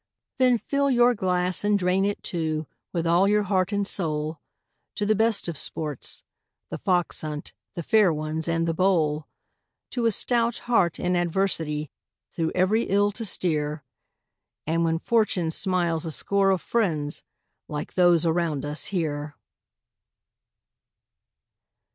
Then fill your glass, and drain it, too, with all your heart and soul, To the best of sports The Fox hunt, The Fair Ones, and The Bowl, To a stout heart in adversity through every ill to steer, And when Fortune smiles a score of friends like those around us here.